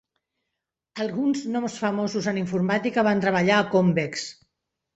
Alguns noms famosos en informàtica van treballar a Convex.